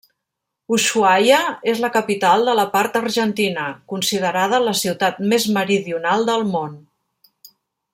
Ushuaia és la capital de la part argentina, considerada la ciutat més meridional del món.